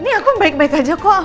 ini aku baik baik aja kok